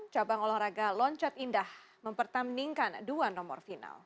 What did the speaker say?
cabang olahraga loncat indah mempertandingkan dua nomor final